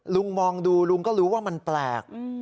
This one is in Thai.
ลุงมองดูลุงก็รู้ว่ามันแปลก